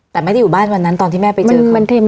แต่ไม่ได้อยู่บ้านวันนั้นตอนที่แม่ไปเจอเขา